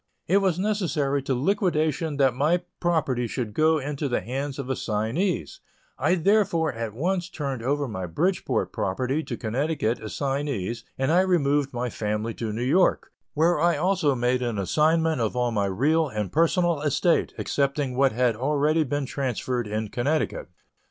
It was necessary to liquidation that my property should go into the hands of assignees; I therefore at once turned over my Bridgeport property to Connecticut assignees and I removed my family to New York, where I also made an assignment of all my real and personal estate, excepting what had already been transferred in Connecticut.